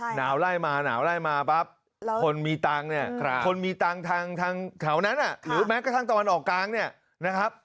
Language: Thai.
หนาวไล่มาหนาวไล่มาปั๊บคนมีตังค์เนี่ยคนมีตังค์ทางแถวนั้นหรือแม้กระทั่งตะวันออกกลางเนี่ยนะครับ